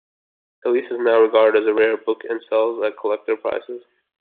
"Elise" is now regarded as a rare book and sells at collector prices.